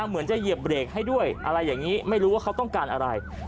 เหมือนจะเหยียบเบรกให้ด้วยอะไรอย่างนี้ไม่รู้ว่าเขาต้องการอะไร